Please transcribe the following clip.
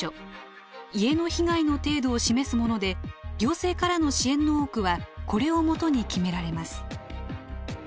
家の被害の程度を示すもので行政からの支援の多くはこれを基に決められます。